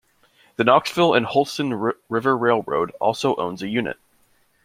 The Knoxville and Holston River Railroad also owns a unit.